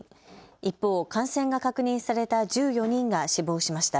一方、感染が確認された１４人が死亡しました。